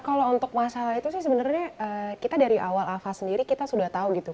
kalau untuk masalah itu sih sebenarnya kita dari awal afa sendiri kita sudah tahu gitu